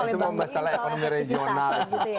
oleh bang dwi soal efektivitas